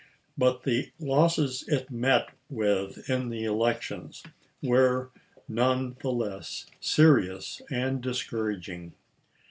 But the losses it met with in the elections were none the less serious and discouraging.